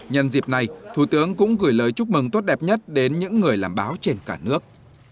nhân dịp này thủ tướng cũng gửi lời chúc mừng tốt đẹp nhất đến những người làm báo trên cả nước